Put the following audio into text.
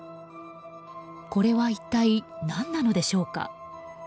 これは一体、何なのでしょうか。